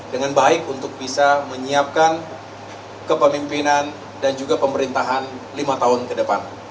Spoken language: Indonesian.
dengan baik untuk bisa menyiapkan kepemimpinan dan juga pemerintahan lima tahun ke depan